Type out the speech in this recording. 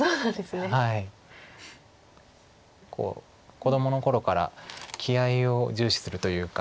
子どもの頃から気合いを重視するというか。